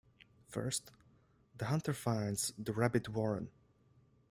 First the hunter finds the rabbit warren.